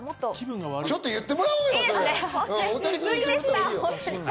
ちょっと言ってもらおうよ、大谷君。